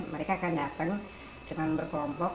mereka akan datang dengan berkelompok